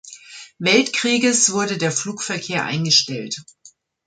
Weltkrieges wurde der Flugverkehr eingestellt.